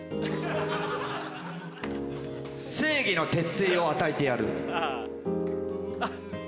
正義の鉄槌を与えてやる。